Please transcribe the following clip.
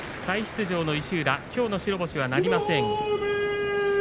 再出場の石浦、きょうの白星はなりません。